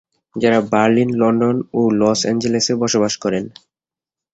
তারা Berlin, London, ও লস অ্যাঞ্জেলেসে বসবাস করে।